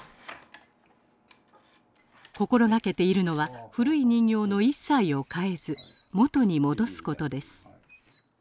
心掛けているのは古い人形の一切を変えず元に戻すことです。